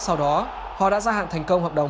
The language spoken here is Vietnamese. sau đó họ đã gia hạn thành công hợp đồng